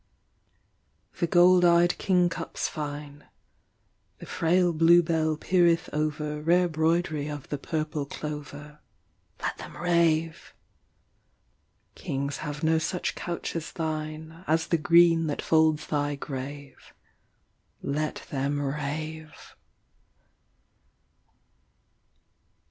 6 The gold eyed kingcups fine: The frail bluebell peereth over Rare broidry of the purple clover. Let them rave. Kings have no such couch as thine, As the green that folds thy grave. Let them rave.